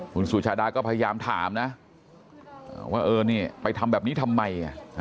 คุณสุชาดาก็พยายามถามนะว่าเออนี่ไปทำแบบนี้ทำไม